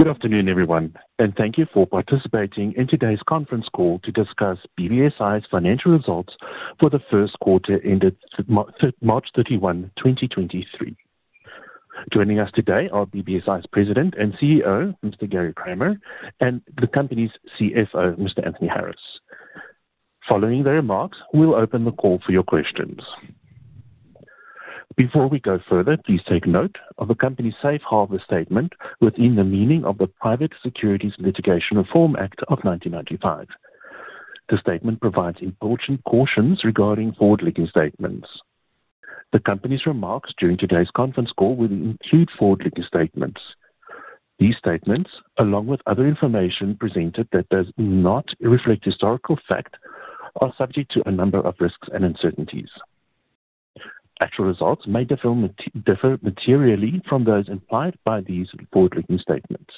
Good afternoon, everyone, and thank you for participating in today's conference call to discuss BBSI's financial results for the Q1 ended March 31, 2023. Joining us today are BBSI's President and CEO, Mr. Gary Kramer, and the company's CFO, Mr. Anthony Harris. Following the remarks, we'll open the call for your questions. Before we go further, please take note of the company's safe harbor statement within the meaning of the Private Securities Litigation Reform Act of 1995. The statement provides important cautions regarding forward-looking statements. The company's remarks during today's conference call will include forward-looking statements. These statements, along with other information presented that does not reflect historical fact, are subject to a number of risks and uncertainties. Actual results may differ materially from those implied by these forward-looking statements.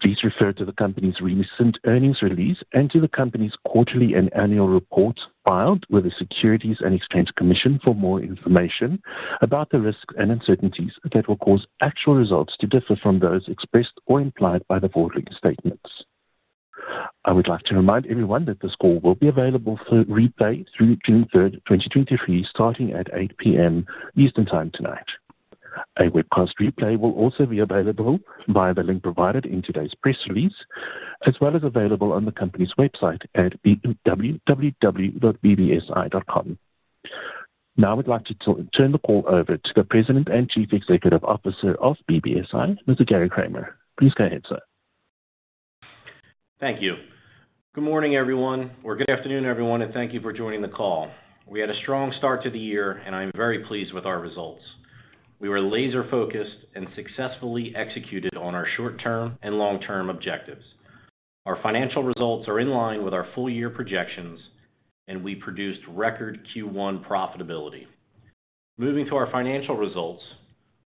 Please refer to the company's recent earnings release and to the company's quarterly and annual report filed with the Securities and Exchange Commission for more information about the risks and uncertainties that will cause actual results to differ from those expressed or implied by the forward-looking statements. I would like to remind everyone that this call will be available for replay through June 3rd, 2023, starting at 8:00 P.M. Eastern Time tonight. A webcast replay will also be available via the link provided in today's press release, as well as available on the company's website at www.bbsi.com. Now, I would like to turn the call over to the President and Chief Executive Officer of BBSI, Mr. Gary Kramer. Please go ahead, sir. Thank you. Good morning, everyone, or good afternoon, everyone, thank you for joining the call. We had a strong start to the year. I'm very pleased with our results. We were laser-focused and successfully executed on our short-term and long-term objectives. Our financial results are in line with our full year projections. We produced record Q1 profitability. Moving to our financial results,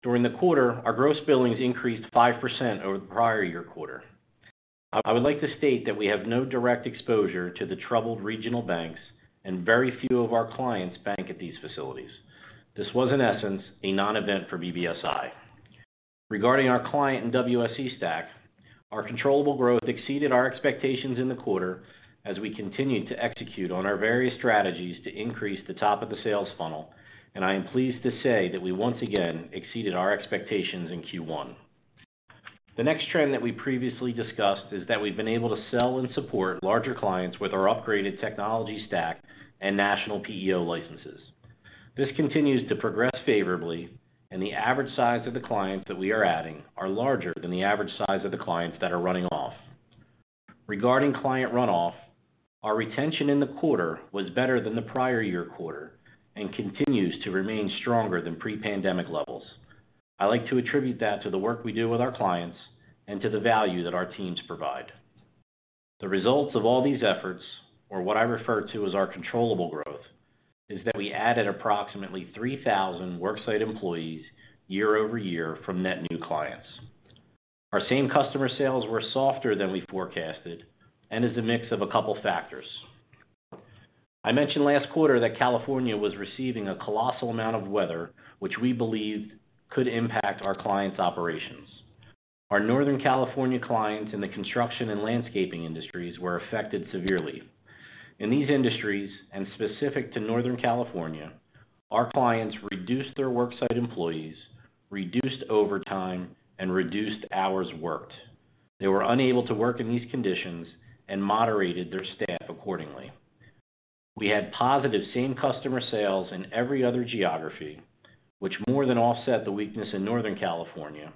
during the quarter, our gross billings increase 5over the prior year quarter. I would like to state that we have no direct exposure to the troubled regional banks. Very few of our client's bank at these facilities. This was, in essence, a non-event for BBSI. Regarding our client and WSE stack, our controllable growth exceeded our expectations in the quarter as we continued to execute on our various strategies to increase the top of the sales funnel. I am pleased to say that we once again exceeded our expectations in Q1. The next trend that we previously discussed is that we've been able to sell and support larger clients with our upgraded technology stack and national PEO licenses. This continues to progress favorably. The average size of the clients that we are adding are larger than the average size of the clients that are running off. Regarding client runoff, our retention in the quarter was better than the prior year quarter and continues to remain stronger than pre-pandemic levels. I like to attribute that to the work we do with our clients and to the value that our teams provide. The results of all these efforts, or what I refer to as our controllable growth, is that we added approximately 3,000 worksite employees year-over-year from net new clients. Our same customer sales were softer than we forecasted and is a mix of a couple factors. I mentioned last quarter that California was receiving a colossal amount of weather, which we believed could impact our clients' operations. Our Northern California clients in the construction and landscaping industries were affected severely. In these industries, and specific to Northern California, our clients reduced their worksite employees, reduced overtime, and reduced hours worked. They were unable to work in these conditions and moderated their staff accordingly. We had positive same customer sales in every other geography, which more than offset the weakness in Northern California,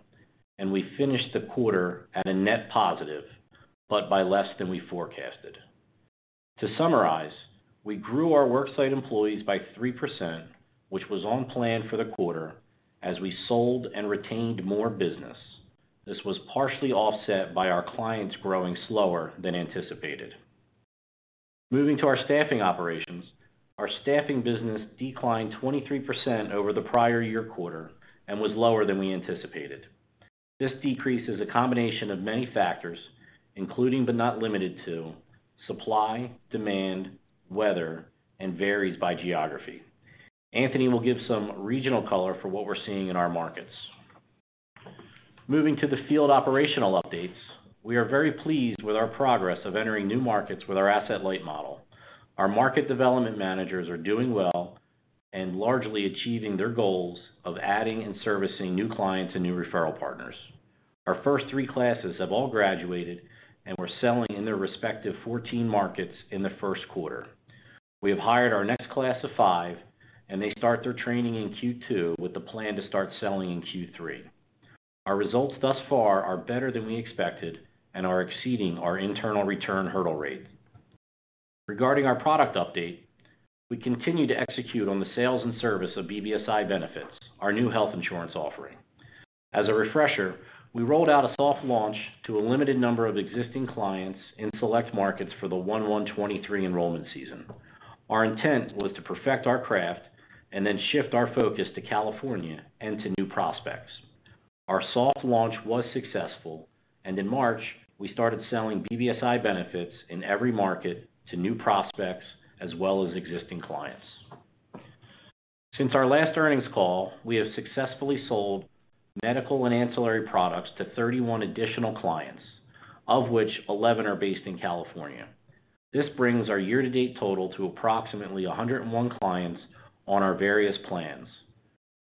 and we finished the quarter at a net positive, but by less than we forecasted. To summarize, we grew our worksite employees by 3%, which was on plan for the quarter as we sold and retained more business. This was partially offset by our clients growing slower than anticipated. Moving to our staffing operations, our staffing business declined 23% over the prior year quarter and was lower than we anticipated. This decrease is a combination of many factors, including but not limited to supply, demand, weather, and varies by geography. Anthony will give some regional color for what we're seeing in our markets. Moving to the field operational updates. We are very pleased with our progress of entering new markets with our asset-light model. Our market development managers are doing well and largely achieving their goals of adding and servicing new clients and new referral partners. Our first three classes have all graduated, and we're selling in their respective 14 markets in the Q1. We have hired our next class of five, and they start their training in Q2 with the plan to start selling in Q3. Our results thus far are better than we expected and are exceeding our internal return hurdle rate. Regarding our product update, we continue to execute on the sales and service of BBSI Benefits, our new health insurance offering. As a refresher, we rolled out a soft launch to a limited number of existing clients in select markets for the 1/1/2023 enrollment season. Our intent was to perfect our craft and then shift our focus to California and to new prospects. Our soft launch was successful. In March, we started selling BBSI Benefits in every market to new prospects as well as existing clients. Since our last earnings call, we have successfully sold medical and ancillary products to 31 additional clients, of which 11 are based in California. This brings our year-to-date total to approximately 101 clients on our various plans.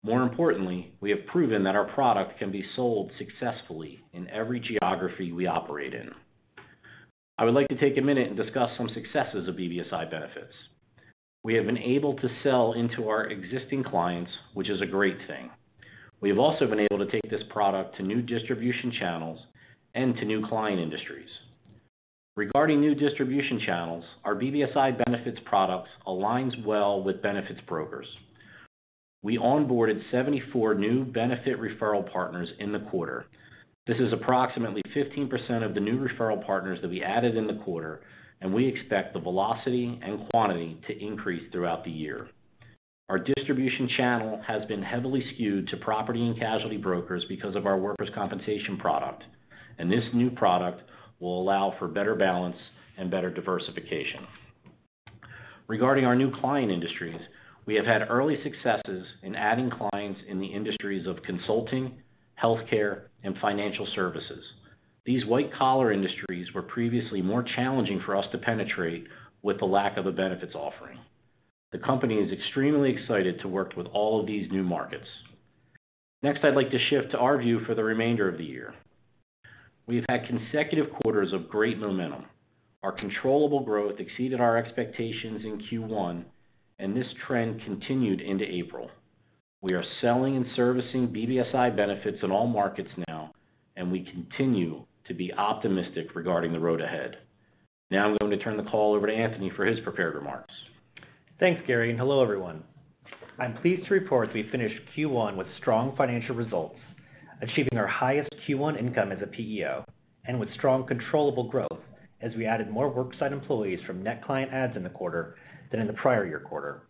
More importantly, we have proven that our product can be sold successfully in every geography we operate in. I would like to take a minute and discuss some successes of BBSI Benefits. We have been able to sell into our existing clients, which is a great thing. We have also been able to take this product to new distribution channels and to new client industries. Regarding new distribution channels, our BBSI Benefits products aligns well with benefits brokers. We onboarded 74 new benefit referral partners in the quarter. This is approximately 15% of the new referral partners that we added in the quarter. We expect the velocity and quantity to increase throughout the year. Our distribution channel has been heavily skewed to property and casualty brokers because of our workers' compensation product. This new product will allow for better balance and better diversification. Regarding our new client industries, we have had early successes in adding clients in the industries of consulting, healthcare, and financial services. These white-collar industries were previously more challenging for us to penetrate with the lack of a benefits offering. The company is extremely excited to work with all of these new markets. Next, I'd like to shift to our view for the remainder of the year. We've had consecutive quarters of great momentum. Our controllable growth exceeded our expectations in Q1. This trend continued into April. We are selling and servicing BBSI Benefits in all markets now. We continue to be optimistic regarding the road ahead. I'm going to turn the call over to Anthony for his prepared remarks. Thanks, Gary, and hello, everyone. I'm pleased to report we finished Q1 with strong financial results, achieving our highest Q1 income as a PEO and with strong controllable growth as we added more worksite employees from net client adds in the quarter than in the prior year quarter.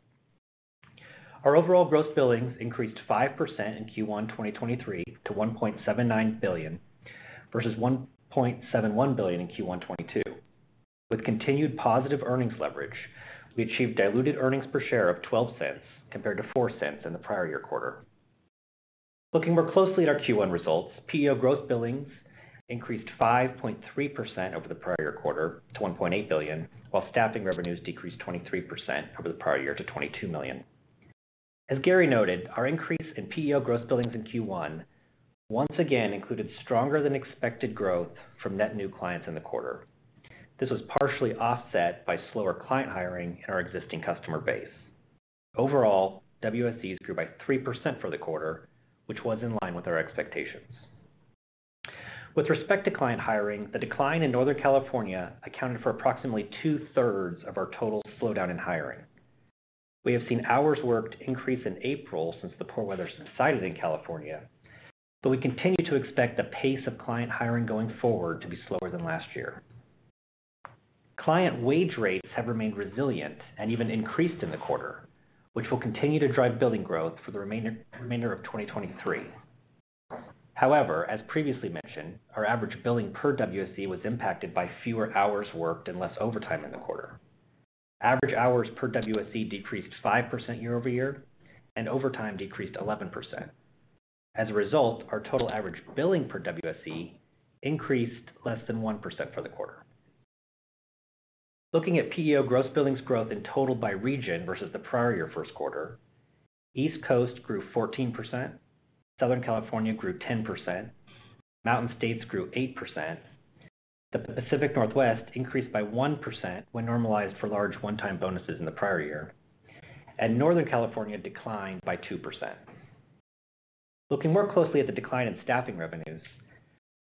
Our overall gross billings increased 5% in Q1 2023 to $1.79 billion, versus $1.71 billion in Q1 2022. With continued positive earnings leverage, we achieved diluted earnings per share of $0.12 compared to $0.04 in the prior year quarter. Looking more closely at our Q1 results, PEO gross billings increased 5.3% over the prior quarter to $1.8 billion, while staffing revenues decreased 23% over the prior year to $22 million. As Gary noted, our increase in PEO gross billings in Q1 once again included stronger than expected growth from net new clients in the quarter. This was partially offset by slower client hiring in our existing customer base. Overall, WSEs grew by 3% for the quarter, which was in line with our expectations. With respect to client hiring, the decline in Northern California accounted for approximately two-thirds of our total slowdown in hiring. We have seen hours worked increase in April since the poor weather subsided in California, but we continue to expect the pace of client hiring going forward to be slower than last year. Client wage rates have remained resilient and even increased in the quarter, which will continue to drive billing growth for the remainder of 2023. However, as previously mentioned, our average billing per WSE was impacted by fewer hours worked and less overtime in the quarter. Average hours per WSE decreased 5% year-over-year, and overtime decreased 11%. As a result, our total average billing per WSE increased less than 1% for the quarter. Looking at PEO gross billings growth in total by region versus the prior year Q1, East Coast grew 14%, Southern California grew 10%, Mountain States grew 8%, the Pacific Northwest increased by 1% when normalized for large one-time bonuses in the prior year, and Northern California declined by 2%. Looking more closely at the decline in staffing revenues,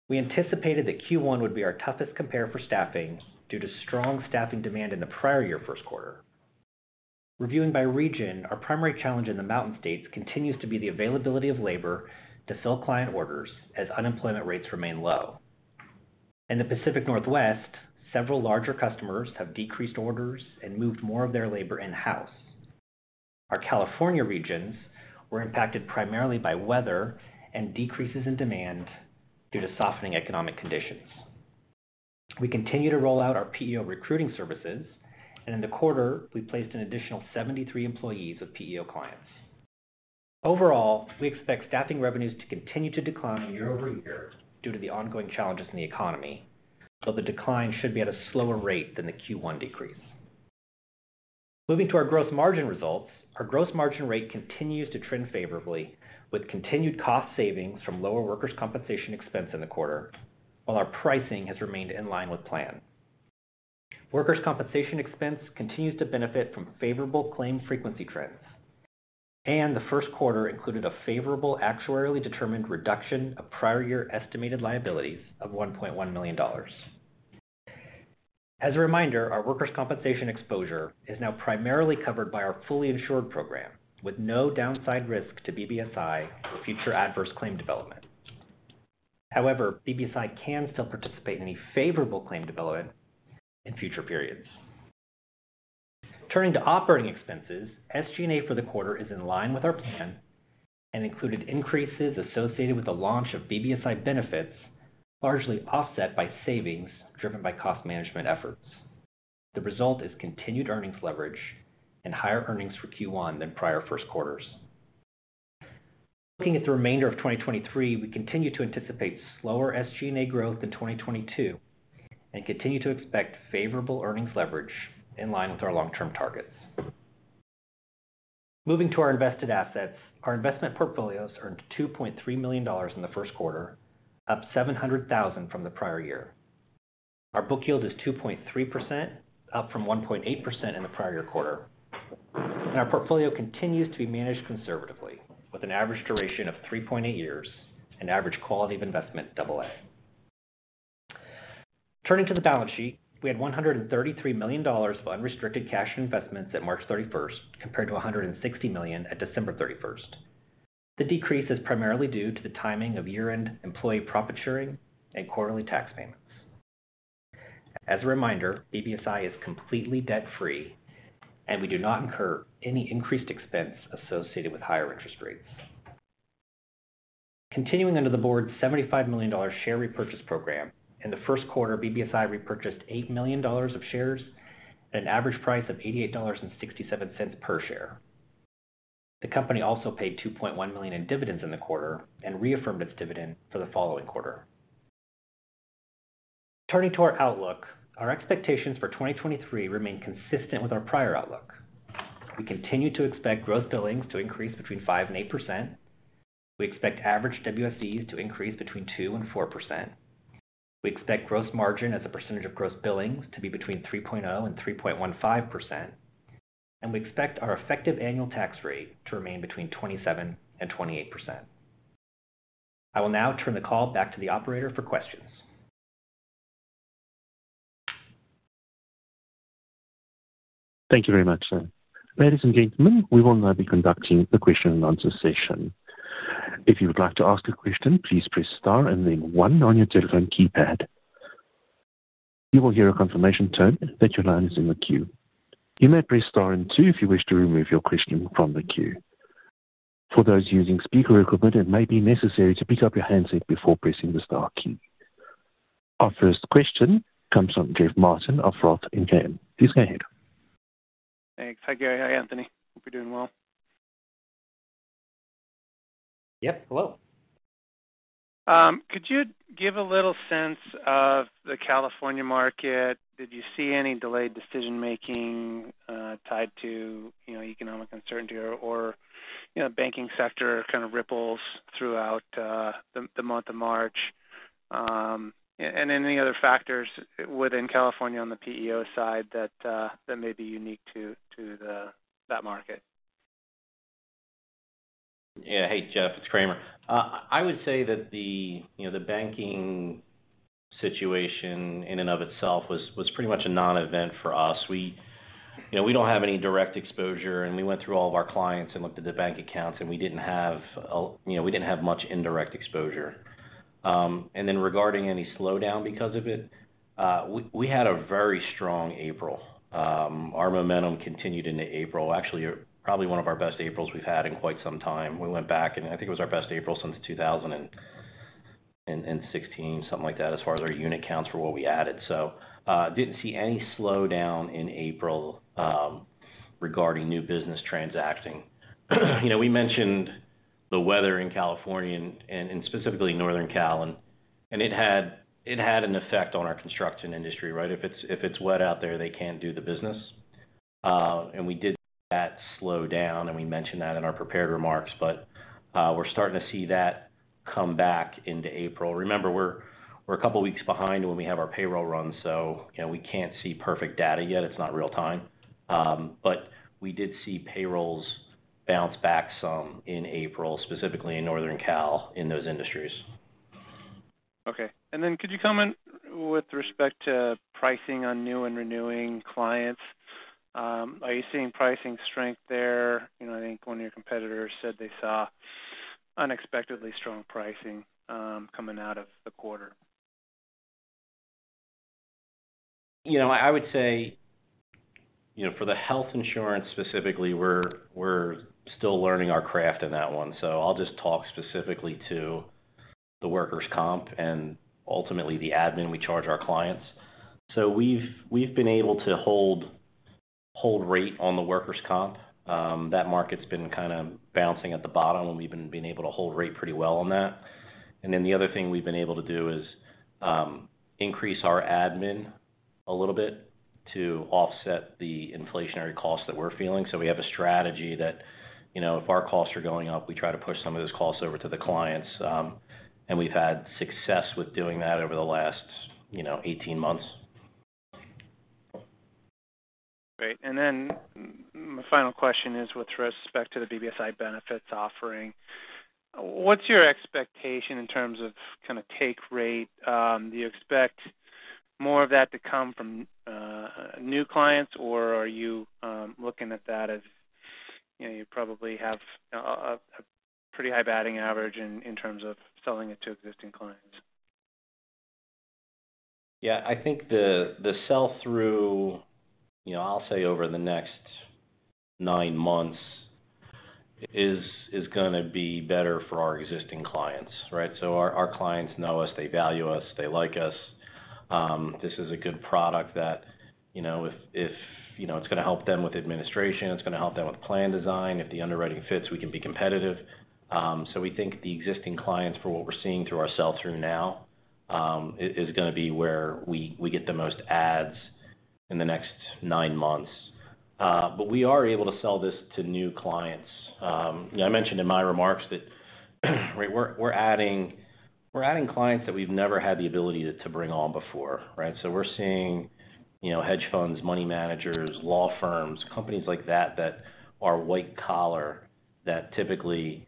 we anticipated that Q1 would be our toughest compare for staffing due to strong staffing demand in the prior year Q1. Reviewing by region, our primary challenge in the Mountain States continues to be the availability of labor to fill client orders as unemployment rates remain low. In the Pacific Northwest, several larger customers have decreased orders and moved more of their labor in-house. Our California regions were impacted primarily by weather and decreases in demand due to softening economic conditions. We continue to roll out our PEO recruiting services. In the quarter, we placed an additional 73 employees with PEO clients. Overall, we expect staffing revenues to continue to decline year-over-year due to the ongoing challenges in the economy. The decline should be at a slower rate than the Q1 decrease. Moving to our gross margin results, our gross margin rate continues to trend favorably with continued cost savings from lower workers' compensation expense in the quarter, while our pricing has remained in line with plan. Workers' compensation expense continues to benefit from favorable claim frequency trends. The Q1 included a favorable actuarially determined reduction of prior year estimated liabilities of $1.1 million. As a reminder, our workers' compensation exposure is now primarily covered by our fully insured program, with no downside risk to BBSI for future adverse claim development. However, BBSI can still participate in any favorable claim development in future periods. Turning to operating expenses, SG&A for the quarter is in line with our plan and included increases associated with the launch of BBSI Benefits, largely offset by savings driven by cost management efforts. The result is continued earnings leverage and higher earnings for Q1 than prior Q1s. Looking at the remainder of 2023, we continue to anticipate slower SG&A growth in 2022 and continue to expect favorable earnings leverage in line with our long-term targets. Moving to our invested assets, our investment portfolios earned $2.3 million in the Q1, up $700,000 from the prior year. Our book yield is 2.3%, up from 1.8% in the prior quarter. Our portfolio continues to be managed conservatively with an average duration of 3.8 years, an average quality of investment AA. Turning to the balance sheet, we had $133 million of unrestricted cash investments at March 31st, compared to $160 million at December 31st. The decrease is primarily due to the timing of year-end employee profit sharing and quarterly tax payments. As a reminder, BBSI is completely debt-free, and we do not incur any increased expense associated with higher interest rates. Continuing under the Board $75 million share repurchase program, in the Q1, BBSI repurchased $8 million of shares at an average price of $88.67 per share. The company also paid $2.1 million in dividends in the quarter and reaffirmed its dividend for the following quarter. Turning to our outlook, our expectations for 2023 remain consistent with our prior outlook. We continue to expect gross billings to increase between 5% and 8%. We expect average WSEs to increase between 2% and 4%. We expect gross margin as a percentage of gross billings to be between 3.0% and 3.15%. We expect our effective annual tax rate to remain between 27% and 28%. I will now turn the call back to the operator for questions. Thank you very much, sir. Ladies and gentlemen, we will now be conducting the question and answer session. If you would like to ask a question, please press star and then one on your telephone keypad. You will hear a confirmation tone that your line is in the queue. You may press star and two if you wish to remove your question from the queue. For those using speaker equipment, it may be necessary to pick up your handset before pressing the star key. Our first question comes from Jeff Martin of ROTH MKM. Please go ahead. Thanks. Hi, Gary. Hi, Anthony. Hope you're doing well. Yep. Hello. Could you give a little sense of the California market? Did you see any delayed decision-making, tied to, you know, economic uncertainty or, you know, banking sector kind of ripples throughout the month of March? Any other factors within California on the PEO side that may be unique to that market? Yeah. Hey, Jeff, it's Kramer. I would say that the, you know, the banking situation in and of itself was pretty much a non-event for us. We, you know, we don't have any direct exposure. We went through all of our clients and looked at the bank accounts, and we didn't have much indirect exposure. Regarding any slowdown because of it, we had a very strong April. Our momentum continued into April. Actually, probably one of our best Aprils we've had in quite some time. We went back. I think it was our best April since 2016, something like that, as far as our unit counts for what we added. Didn't see any slowdown in April regarding new business transacting. You know, we mentioned the weather in California and specifically Northern Cal, and it had an effect on our construction industry, right? If it's wet out there, they can't do the business. And we did see that slow down, and we mentioned that in our prepared remarks. We're starting to see that come back into April. Remember, we're a couple weeks behind when we have our payroll run, so, you know, we can't see perfect data yet. It's not real time. We did see payrolls bounce back some in April, specifically in Northern Cal in those industries. Okay. Could you comment with respect to pricing on new and renewing clients? Are you seeing pricing strength there? You know, I think one of your competitors said they saw unexpectedly strong pricing, coming out of the quarter. You know, I would say, you know, for the health insurance specifically, we're still learning our craft in that one. I'll just talk specifically to the workers' comp and ultimately the admin we charge our clients. We've been able to hold rate on the workers' comp. That market's been kinda bouncing at the bottom, and we've been able to hold rate pretty well on that. The other thing we've been able to do is increase our admin a little bit to offset the inflationary costs that we're feeling. We have a strategy that, you know, if our costs are going up, we try to push some of those costs over to the clients. We've had success with doing that over the last, you know, 18 months. Great. My final question is with respect to the BBSI Benefits offering. What's your expectation in terms of kinda take rate? Do you expect more of that to come from new clients, or are you looking at that as, you know, you probably have a pretty high batting average in terms of selling it to existing clients? Yeah. I think the sell-through, you know, I'll say over the next nine months is gonna be better for our existing clients, right? Our clients know us, they value us, they like us. This is a good product that, you know, it's gonna help them with administration, it's gonna help them with plan design. If the underwriting fits, we can be competitive. We think the existing clients, for what we're seeing through our sell-through now, is gonna be where we get the most adds in the next nine months. We are able to sell this to new clients. I mentioned in my remarks that, right, we're adding clients that we've never had the ability to bring on before, right? We're seeing, you know, hedge funds, money managers, law firms, companies like that are white collar that typically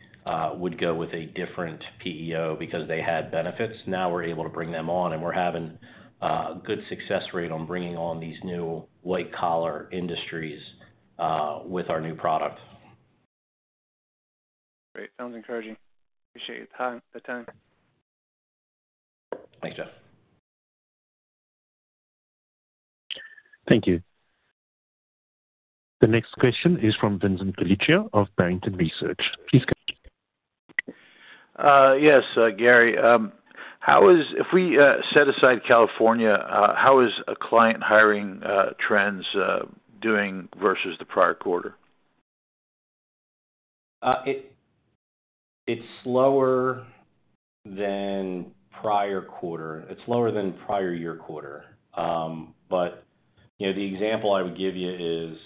would go with a different PEO because they had benefits. Now we're able to bring them on, and we're having a good success rate on bringing on these new white-collar industries with our new product. Great. Sounds encouraging. Appreciate your time, the time. Thanks, Jeff. Thank you. The next question is from Vincent Colicchio of Barrington Research. Please go ahead. Yes, Gary, if we set aside California, how is client hiring trends doing versus the prior quarter? It's lower than prior quarter. It's lower than prior year quarter. You know, the example I would give you is,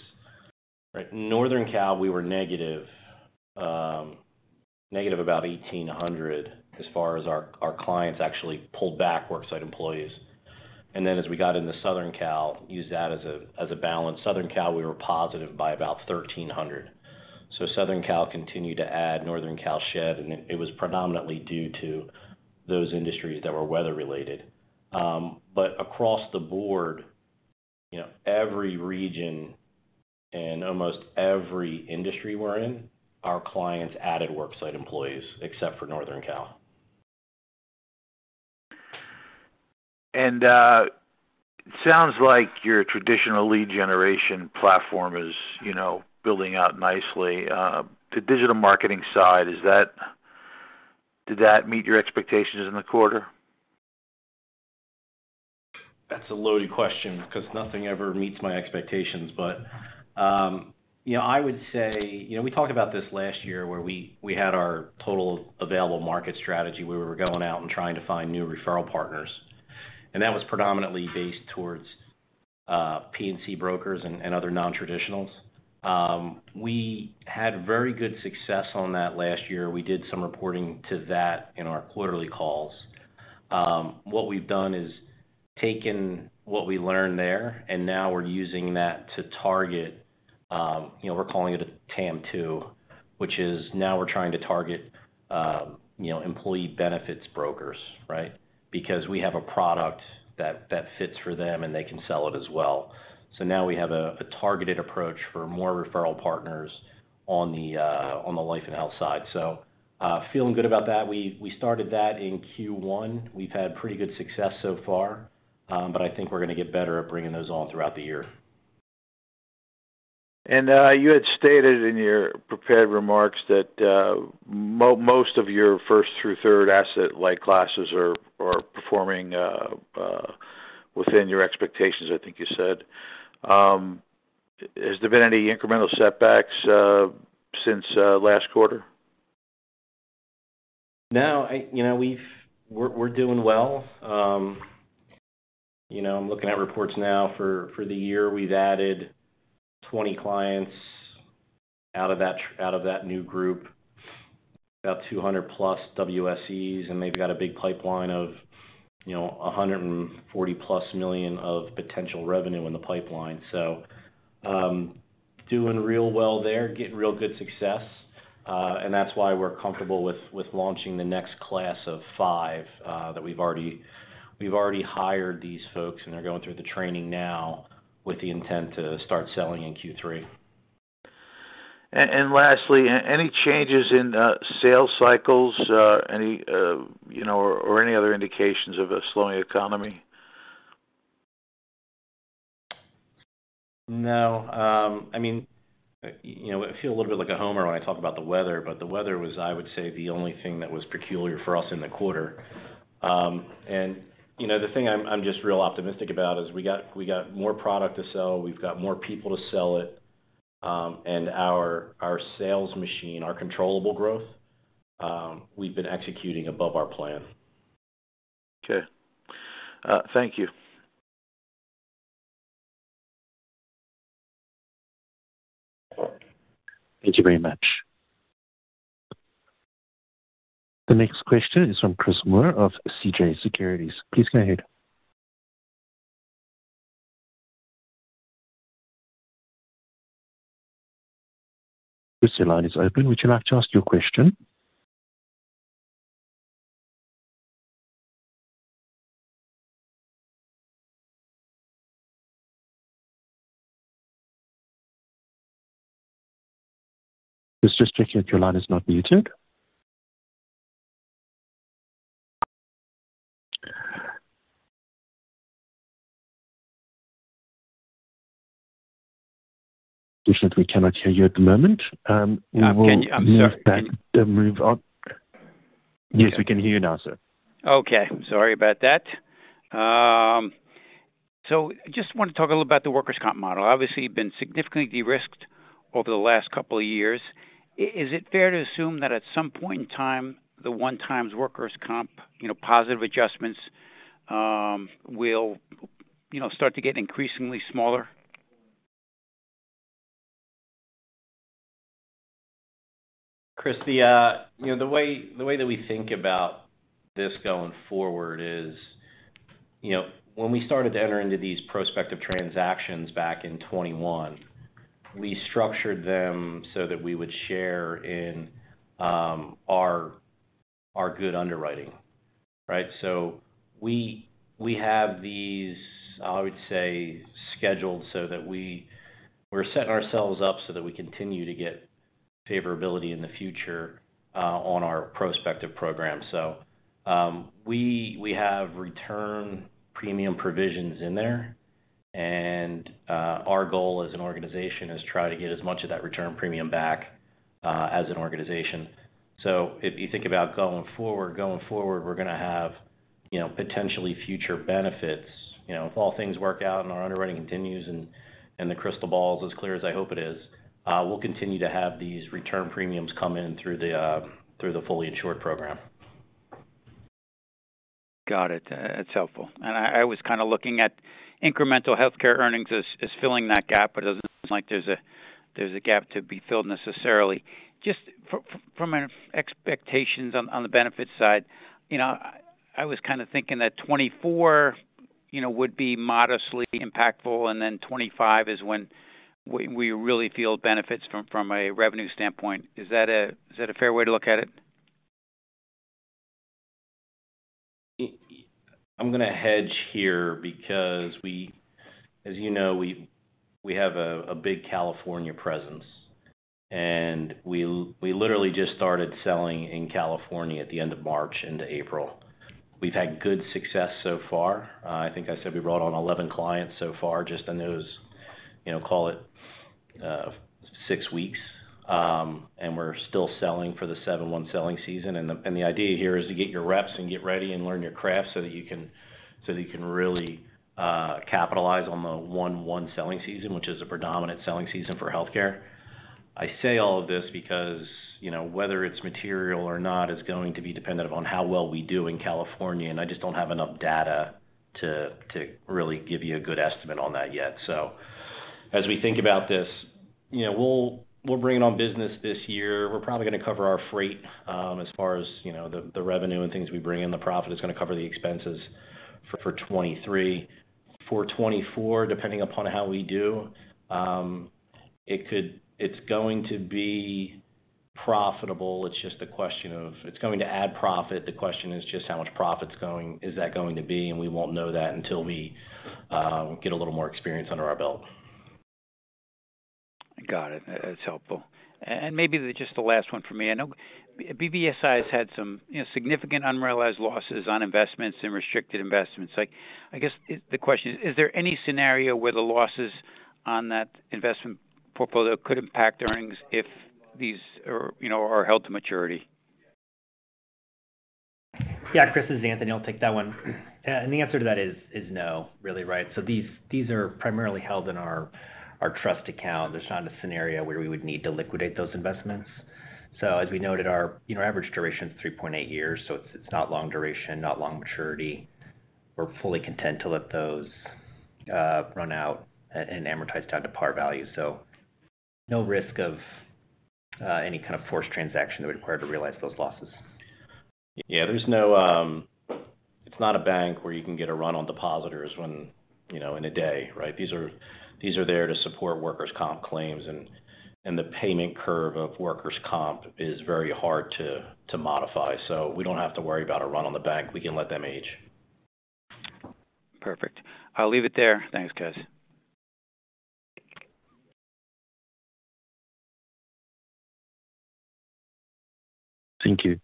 Northern Cal, we were negative about 1,800 as far as our clients actually pulled back worksite employees. As we got into Southern Cal, used that as a, as a balance. Southern Cal, we were positive by about 1,300. Southern Cal continued to add, Northern Cal shed, and it was predominantly due to those industries that were weather-related. Across the board, you know, every region and almost every industry we're in, our clients added worksite employees except for Northern Cal. Sounds like your traditional lead generation platform is, you know, building out nicely. The digital marketing side, did that meet your expectations in the quarter? That's a loaded question 'cause nothing ever meets my expectations. You know, I would say. You know, we talked about this last year where we had our total available market strategy. We were going out and trying to find new referral partners, that was predominantly based towards P&C brokers and other non-traditionals. We had very good success on that last year. We did some reporting to that in our quarterly calls. What we've done is taken what we learned there, now we're using that to target, you know, we're calling it a TAM 2, which is now we're trying to target, you know, employee benefits brokers, right? Because we have a product that fits for them, and they can sell it as well. Now we have a targeted approach for more referral partners on the life and health side. Feeling good about that. We started that in Q1. We've had pretty good success so far, but I think we're gonna get better at bringing those on throughout the year. You had stated in your prepared remarks that most of your first through third asset-light classes are performing within your expectations, I think you said. Has there been any incremental setbacks since last quarter? No. You know, we're doing well. You know, I'm looking at reports now for the year. We've added 20 clients out of that new group. About 200+ WSEs, and they've got a big pipeline of, you know, $140+ million of potential revenue in the pipeline. Doing real well there. Getting real good success. That's why we're comfortable with launching the next class of 5 that we've already hired these folks, and they're going through the training now with the intent to start selling in Q3. lastly, any changes in sales cycles, any, you know, or any other indications of a slowing economy? No. I mean, you know, I feel a little bit like a homer when I talk about the weather, but the weather was, I would say, the only thing that was peculiar for us in the quarter. You know, the thing I'm just real optimistic about is we got more product to sell, we've got more people to sell it, and our sales machine, our controllable growth, we've been executing above our plan. Okay. thank you. Thank you very much. The next question is from Chris Moore of CJS Securities. Please go ahead. Chris, your line is open. Would you like to ask your question? Chris, just checking if your line is not muted. We cannot hear you at the moment. I'm sorry. Move on. Yes, we can hear you now, sir. Okay. Sorry about that. Just want to talk a little about the workers' comp model. Obviously, you've been significantly de-risked over the last couple of years. Is it fair to assume that at some point in time, the 1 times workers' comp, you know, positive adjustments, will, you know, start to get increasingly smaller? Chris, the ...you know, the way that we think about this going forward is, you know, when we started to enter into these prospective transactions back in 21, we structured them so that we would share in our good underwriting, right? We have these, I would say, scheduled so that we're setting ourselves up so that we continue to get favorability in the future on our prospective program. We have return premium provisions in there. Our goal as an organization is try to get as much of that return premium back as an organization. If you think about going forward, we're going to have, you know, potentially future benefits. You know, if all things work out and our underwriting continues and the crystal ball's as clear as I hope it is, we'll continue to have these return premiums come in through the fully insured program. Got it. That's helpful. I was kinda looking at incremental healthcare earnings as filling that gap, but it doesn't seem like there's a gap to be filled necessarily. Just from an expectations on the benefits side, you know, I was kinda thinking that 24, you know, would be modestly impactful, and then 25 is when we really feel benefits from a revenue standpoint. Is that a, is that a fair way to look at it? I'm gonna hedge here because as you know, we have a big California presence, and we literally just started selling in California at the end of March into April. We've had good success so far. I think I said we brought on 11 clients so far just in those, you know, call it, six weeks. We're still selling for the 7/1 selling season. The idea here is to get your reps and get ready and learn your craft so that you can really capitalize on the 1/1 selling season, which is a predominant selling season for healthcare. I say all of this because, you know, whether it's material or not is going to be dependent upon how well we do in California, and I just don't have enough data to really give you a good estimate on that yet. As we think about this, you know, we'll bring on business this year. We're probably gonna cover our freight, as far as, you know, the revenue and things we bring in. The profit is gonna cover the expenses for 2023. For 2024, depending upon how we do, it's going to be profitable. It's just a question of it's going to add profit. The question is just how much profit's going to be, and we won't know that until we get a little more experience under our belt. Got it. That's helpful. Maybe just the last one for me. I know BBSI has had some, you know, significant unrealized losses on investments and restricted investments. Like, I guess the question is there any scenario where the losses on that investment portfolio could impact earnings if these are, you know, are held to maturity? Yeah, Chris, this is Anthony. I'll take that one. The answer to that is no, really, right? These are primarily held in our trust account. There's not a scenario where we would need to liquidate those investments. As we noted, our, you know, average duration is 3.8 years, so it's not long duration, not long maturity. We're fully content to let those run out and amortize down to par value. No risk of any kind of forced transaction that we're required to realize those losses. Yeah, there's no. It's not a bank where you can get a run on depositors when, you know, in a day, right? These are there to support workers' comp claims and the payment curve of workers' comp is very hard to modify so we don't have to worry about a run on the bank. We can let them age. Perfect. I'll leave it there. Thanks, guys. Thank you.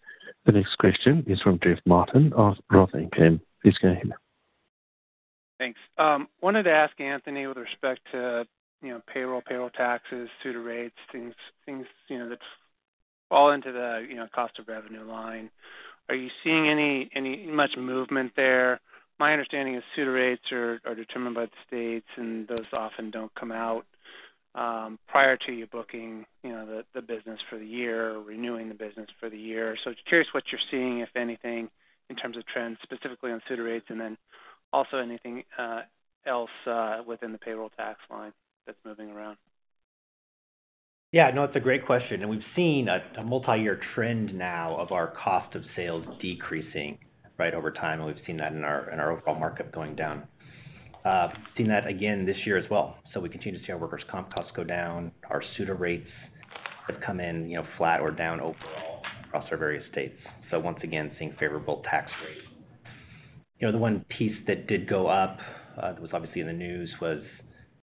The next question is from Jeff Martin of ROTH MKM. Please go ahead. Thanks. wanted to ask Anthony with respect to, you know, payroll taxes, SUTA rates, things, you know, that fall into the, you know, cost of revenue line. Are you seeing any much movement there? My understanding is SUTA rates are determined by the states, and those often don't come out prior to you booking, you know, the business for the year or renewing the business for the year. Just curious what you're seeing, if anything, in terms of trends, specifically on SUTA rates, and then also anything else within the payroll tax line that's moving around. Yeah, no, it's a great question. We've seen a multi-year trend now of our cost of sales decreasing, right, over time, and we've seen that in our overall market going down. Seen that again this year as well. We continue to see our workers' comp costs go down. Our SUTA rates have come in, you know, flat or down overall across our various states. Once again, seeing favorable tax rates. You know, the one piece that did go up that was obviously in the news was,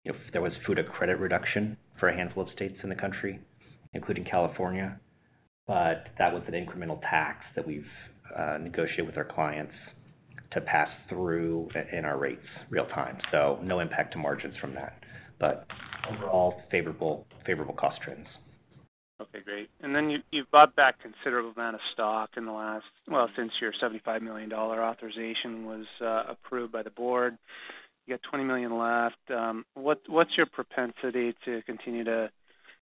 you know, there was FUTA credit reduction for a handful of states in the country, including California. That was an incremental tax that we've negotiated with our clients to pass through in our rates real time. No impact to margins from that. Overall, favorable cost trends. Okay, great. Then you've bought back considerable amount of stock in the last... Well, since your $75 million authorization was approved by the board. You got $20 million left. What's your propensity to continue to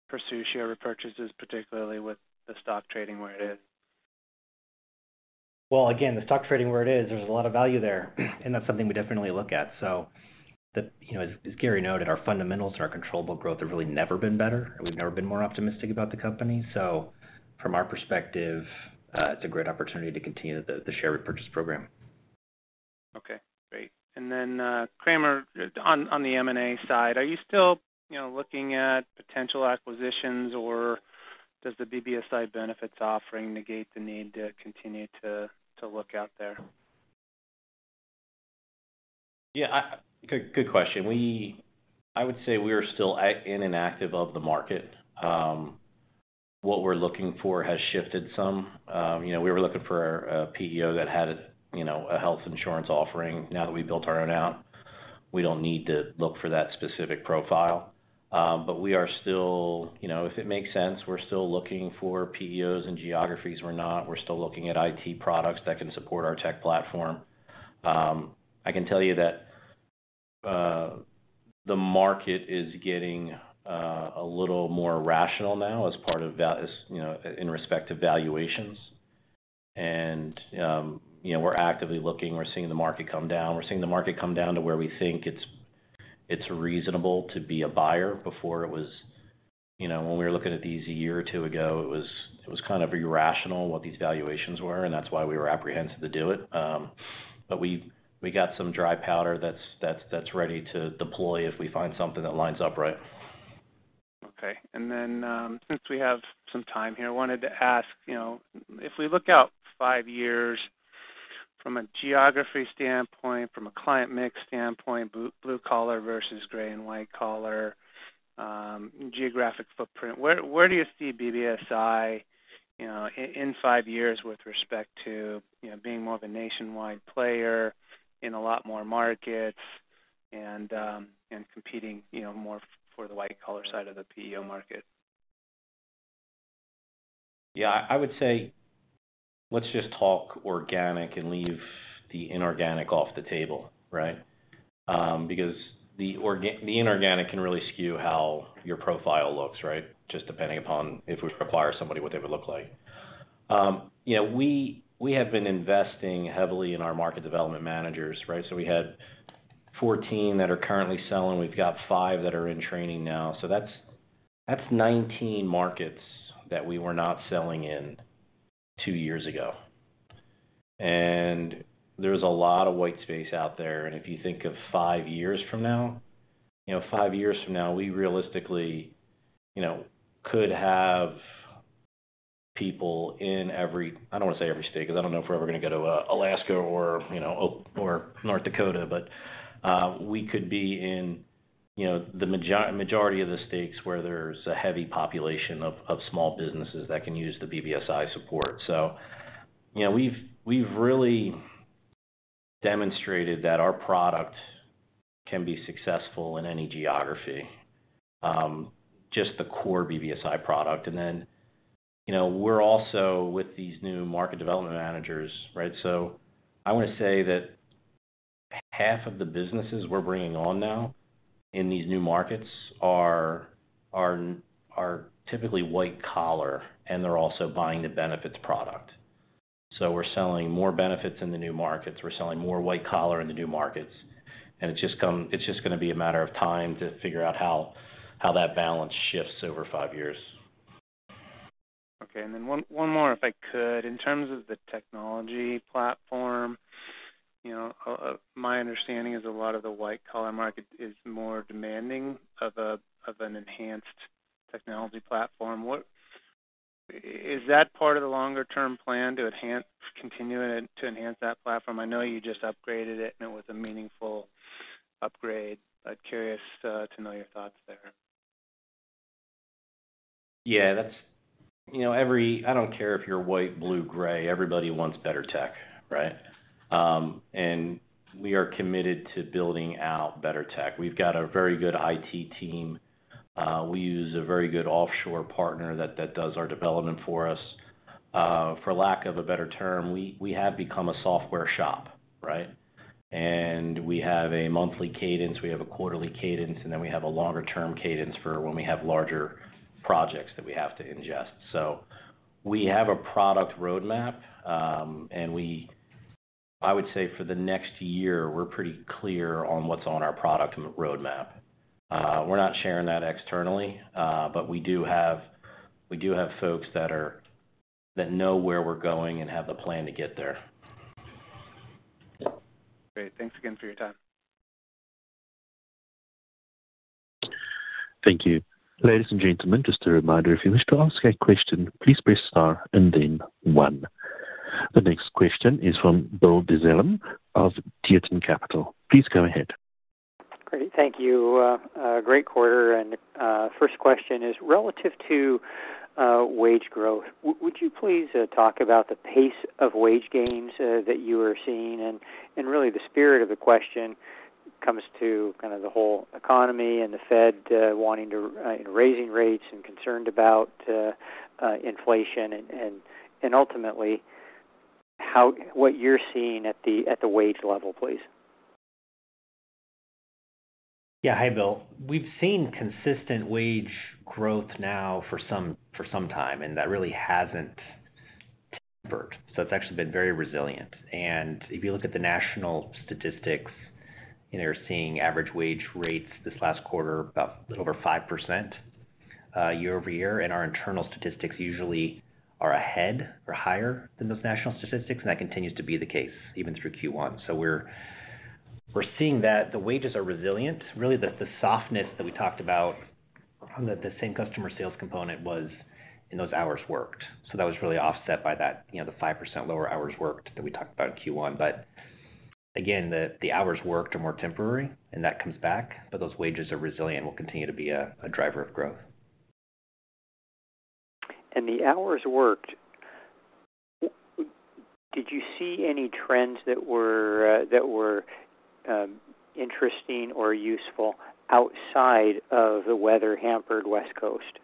pursue share repurchases, particularly with the stock trading where it is? Again, the stock trading where it is, there's a lot of value there, and that's something we definitely look at. The, you know, as Gary noted, our fundamentals and our controllable growth have really never been better, and we've never been more optimistic about the company. From our perspective, it's a great opportunity to continue the share repurchase program. Okay, great. Cramer, on the M&A side, are you still, you know, looking at potential acquisitions, or does the BBSI Benefits offering negate the need to look out there? Good, good question. I would say we are still in and active of the market. What we're looking for has shifted some. You know, we were looking for a PEO that had, you know, a health insurance offering. Now that we've built our own out, we don't need to look for that specific profile. We are still. You know, if it makes sense, we're still looking for PEOs in geographies we're not. We're still looking at IT products that can support our tech platform. I can tell you that the market is getting a little more rational now as part of as, you know, in respect to valuations. You know, we're actively looking. We're seeing the market come down. We're seeing the market come down to where we think it's reasonable to be a buyer. Before it was, you know, when we were looking at these a year or two ago, it was, it was kind of irrational what these valuations were, and that's why we were apprehensive to do it. We got some dry powder that's ready to deploy if we find something that lines up right. Okay. Since we have some time here, I wanted to ask, you know, if we look out five years from a geography standpoint, from a client mix standpoint, blue collar versus gray and white collar, geographic footprint, where do you see BBSI, you know, in five years with respect to, you know, being more of a nationwide player in a lot more markets and competing, you know, more for the white collar side of the PEO market? Yeah. I would say let's just talk organic and leave the inorganic off the table, right? Because the inorganic can really skew how your profile looks, right? Just depending upon if we acquire somebody, what they would look like. You know, we have been investing heavily in our market development managers, right? We had 14 that are currently selling. We've got five that are in training now. That's 19 markets that we were not selling in five years ago. There's a lot of white space out there. If you think of five years from now, you know, five years from now, we realistically, you know, could have people in every... I don't wanna say every state, because I don't know if we're ever gonna go to Alaska or, you know, or North Dakota. We could be in, you know, the majority of the states where there's a heavy population of small businesses that can use the BBSI support. You know, we've really demonstrated that our product can be successful in any geography, just the core BBSI product. You know, we're also with these new market development managers, right? I wanna say that half of the businesses we're bringing on now in these new markets are typically white collar, and they're also buying the benefits product. We're selling more benefits in the new markets. We're selling more white collar in the new markets. It's just gonna be a matter of time to figure out how that balance shifts over five years. Okay. One more, if I could. In terms of the technology platform, you know, my understanding is a lot of the white collar market is more demanding of a, of an enhanced technology platform. Is that part of the longer term plan to continue to enhance that platform? I know you just upgraded it, and it was a meaningful upgrade. I'm curious to know your thoughts there. Yeah, that's, you know, every I don't care if you're white, blue, gray, everybody wants better tech, right? We are committed to building out better tech. We've got a very good IT team. We use a very good offshore partner that does our development for us. For lack of a better term, we have become a software shop, right? We have a monthly cadence, we have a quarterly cadence, and then we have a longer-term cadence for when we have larger projects that we have to ingest. We have a product roadmap. I would say for the next year, we're pretty clear on what's on our product roadmap. We're not sharing that externally. We do have folks that know where we're going and have the plan to get there. Great. Thanks again for your time. Thank you. Ladies and gentlemen, just a reminder, if you wish to ask a question, please press star and then one. The next question is from Bill Dezellem of Tieton Capital. Please go ahead. Great. Thank you. A great quarter. First question is relative to wage growth. Would you please talk about the pace of wage gains that you are seeing? Really the spirit of the question comes to kind of the whole economy and the Fed, you know, raising rates and concerned about inflation and ultimately what you're seeing at the wage level, please. Yeah. Hi, Bill. We've seen consistent wage growth now for some time, that really hasn't tempered. It's actually been very resilient. If you look at the national statistics, you know, you're seeing average wage rates this last quarter about a little over 5% year-over-year, our internal statistics usually are ahead or higher than those national statistics, that continues to be the case even through Q1. We're seeing that the wages are resilient. Really, the softness that we talked about from the same-customer sales component was in those hours worked. That was really offset by that, you know, the 5% lower hours worked that we talked about in Q1. Again, the hours worked are more temporary, and that comes back, but those wages are resilient, will continue to be a driver of growth. The hours worked, did you see any trends that were interesting or useful outside of the weather-hampered West Coast?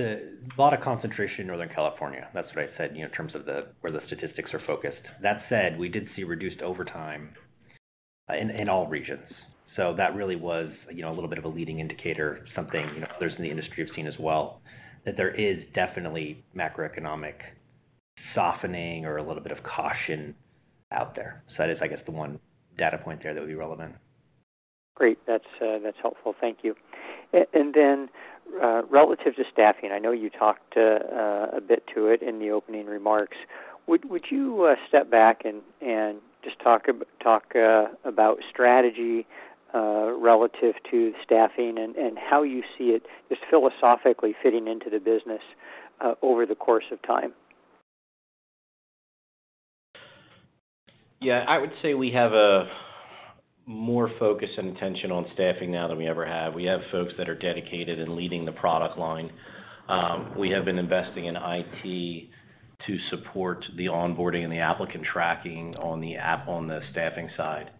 A lot of concentration in Northern California. That's what I said, you know, in terms of where the statistics are focused. That said, we did see reduced overtime in all regions. That really was, you know, a little bit of a leading indicator, something, you know, others in the industry have seen as well, that there is definitely macroeconomic softening or a little bit of caution out there. That is, I guess, the one data point there that would be relevant. Great. That's that's helpful. Thank you. Then, relative to staffing, I know you talked a bit to it in the opening remarks. Would you step back and just talk about strategy relative to staffing and how you see it just philosophically fitting into the business over the course of time? Yeah. I would say we have a more focus and attention on staffing now than we ever have. We have folks that are dedicated in leading the product line. We have been investing in IT to support the onboarding and the applicant tracking on the staffing side.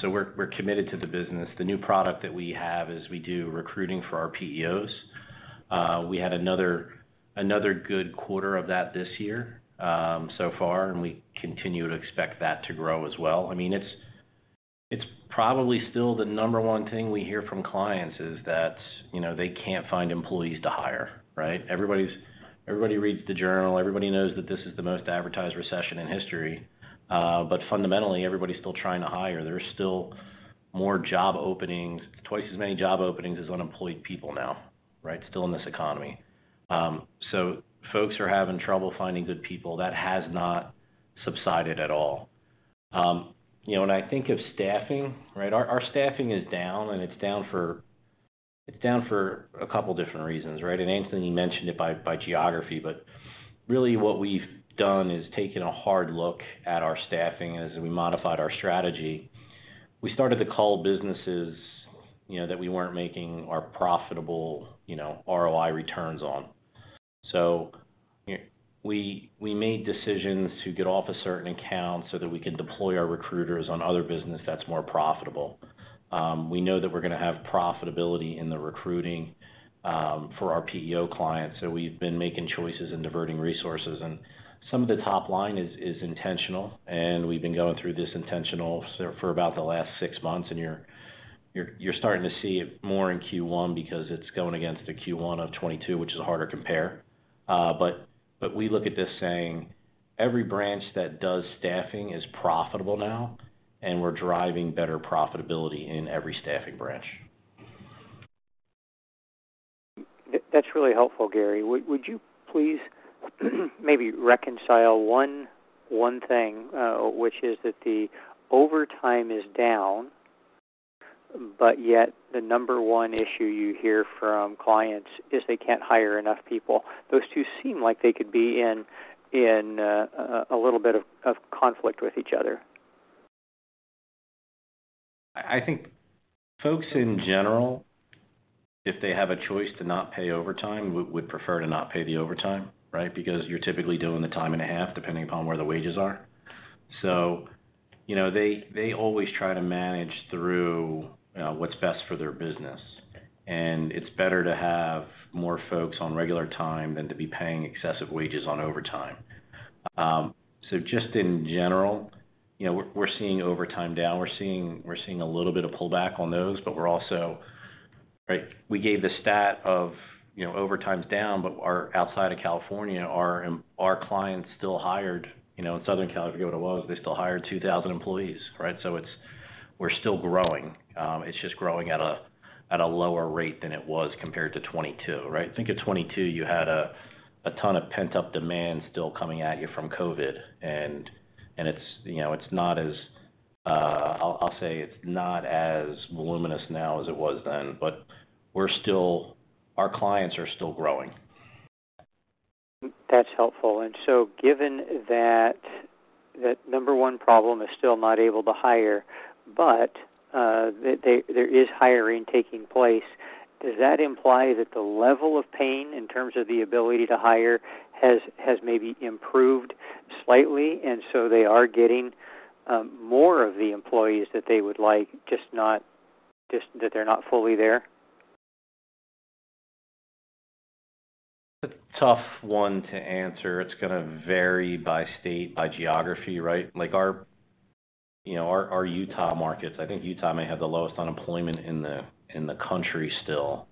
So we're committed to the business. The new product that we have is we do recruiting for our PEOs. We had another good quarter of that this year, so far, and we continue to expect that to grow as well. I mean, it's probably still the number one thing we hear from clients, is that, you know, they can't find employees to hire, right? Everybody reads the Journal. Everybody knows that this is the most advertised recession in history. Fundamentally, everybody's still trying to hire. There are still more job openings, 2 times as many job openings as unemployed people now, right? Still in this economy. Folks are having trouble finding good people. That has not subsided at all. You know, when I think of staffing, right, our staffing is down, it's down for a couple different reasons, right? Anthony mentioned it by geography. Really what we've done is taken a hard look at our staffing as we modified our strategy. We started to cull businesses, you know, that we weren't making our profitable, you know, ROI returns on. We made decisions to get off of certain accounts so that we can deploy our recruiters on other business that's more profitable. We know that we're gonna have profitability in the recruiting for our PEO clients, so we've been making choices and diverting resources. Some of the top line is intentional, and we've been going through this intentional for about the last six months, and you're starting to see it more in Q1 because it's going against a Q1 of 2022, which is a harder compare. We look at this saying, every branch that does staffing is profitable now, and we're driving better profitability in every staffing branch. That's really helpful, Gary. Would you please maybe reconcile one thing, which is that the overtime is down, but yet the number one issue you hear from clients is they can't hire enough people. Those two seem like they could be in a little bit of conflict with each other. I think folks in general, if they have a choice to not pay overtime, would prefer to not pay the overtime, right? You're typically doing the time and a half, depending upon where the wages are. You know, they always try to manage through, what's best for their business. It's better to have more folks on regular time than to be paying excessive wages on overtime. Just in general, you know, we're seeing overtime down. We're seeing a little bit of pullback on those. Right? We gave the stat of, you know, overtime's down, but our outside of California, our clients still hired, you know, in Southern California, I forget what it was, they still hired 2,000 employees, right? We're still growing. It's just growing at a lower rate than it was compared to 2022, right? Think of 2022, you had a ton of pent-up demand still coming at you from COVID. It's, you know, I'll say it's not as voluminous now as it was then, but we're still. Our clients are still growing. That's helpful. Given that the number 1 problem is still not able to hire, but there is hiring taking place, does that imply that the level of pain in terms of the ability to hire has maybe improved slightly, and so they are getting more of the employees that they would like, just that they're not fully there? A tough one to answer. It's gonna vary by state, by geography, right? Like our, you know, our Utah markets. I think Utah may have the lowest unemployment in the country still.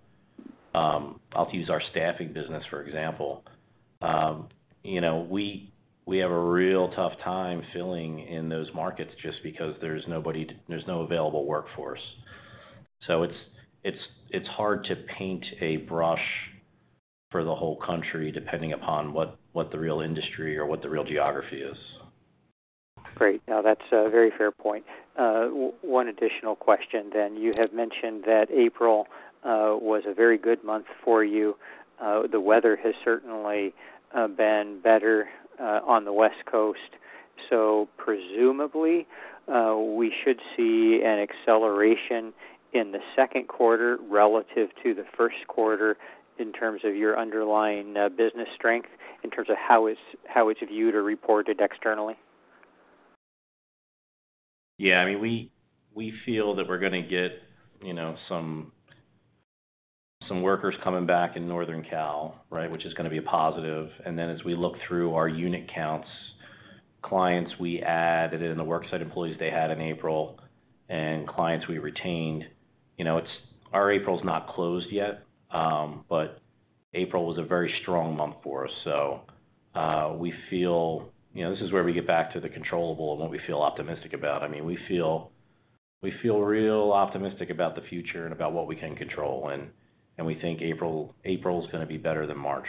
I'll use our staffing business, for example. You know, we have a real tough time filling in those markets just because there's no available workforce. It's hard to paint a brush for the whole country, depending upon what the real industry or what the real geography is. Great. That's a very fair point. One additional question then. You have mentioned that April was a very good month for you. The weather has certainly been better on the West Coast. Presumably, we should see an acceleration in the Q2 relative to the Q1 in terms of your underlying business strength, in terms of how it's viewed or reported externally. Yeah. I mean, we feel that we're gonna get, you know, some workers coming back in Northern Cal, right, which is gonna be a positive. As we look through our unit counts, clients we add and then the worksite employees they had in April and clients we retained, you know. Our April's not closed yet. April was a very strong month for us. We feel. You know, this is where we get back to the controllable and what we feel optimistic about. I mean, we feel real optimistic about the future and about what we can control. We think April's gonna be better than March.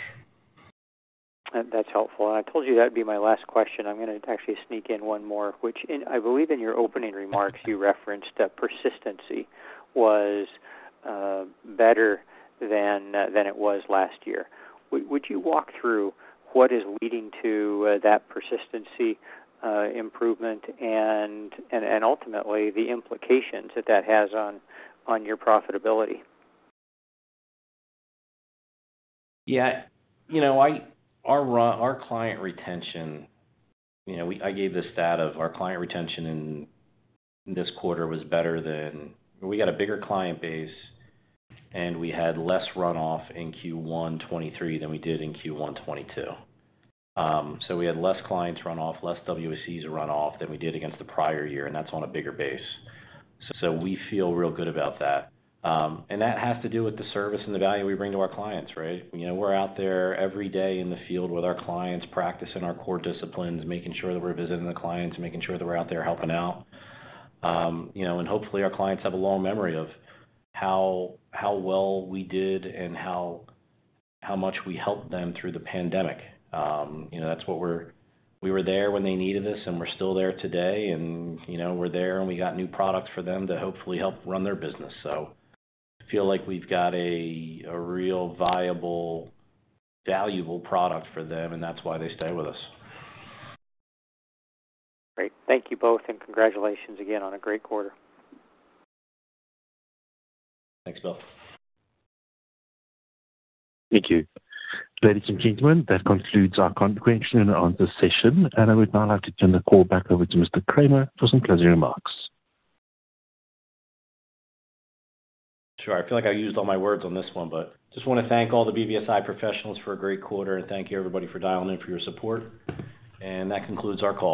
That's helpful. I told you that'd be my last question. I'm gonna actually sneak in one more, which I believe in your opening remarks, you referenced that persistency was better than it was last year. Would you walk through what is leading to that persistency improvement and ultimately the implications that that has on your profitability? You know, our client retention, you know. I gave the stat of our client retention in this quarter was better than. We got a bigger client base. We had less runoff in Q1 2023 than we did in Q1 2022. We had less clients run off, less WSEs run off than we did against the prior year. That's on a bigger base. We feel real good about that. That has to do with the service and the value we bring to our clients, right? You know, we're out there every day in the field with our clients, practicing our core disciplines, making sure that we're visiting the clients, making sure that we're out there helping out. You know, and hopefully, our clients have a long memory of how well we did and how much we helped them through the pandemic. You know, that's what we were there when they needed us, and we're still there today. You know, we're there, and we got new products for them to hopefully help run their business. Feel like we've got a real viable, valuable product for them, and that's why they stay with us. Great. Thank you both, and congratulations again on a great quarter. Thanks, Bill. Thank you. Ladies and gentlemen, that concludes our question on this session. I would now like to turn the call back over to Mr. Kramer for some closing remarks. Sure. I feel like I used all my words on this one, but just wanna thank all the BBSI professionals for a great quarter, and thank you everybody for dialing in, for your support. That concludes our call.